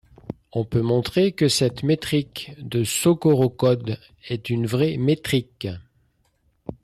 On peut montrer que cette métrique de Skorokhod est une vraie métrique.